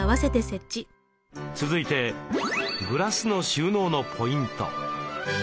続いてグラスの収納のポイント。